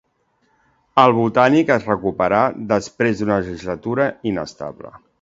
El Botànic es recuperà després d'una legislatura inestable